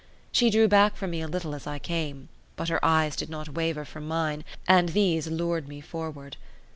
She drew back from me a little as I came; but her eyes did not waver from mine, and these lured me forward.